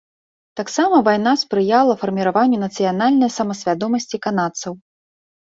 Таксама вайна спрыяла фарміраванню нацыянальнай самасвядомасці канадцаў.